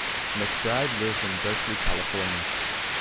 McBride lives in Berkeley, California.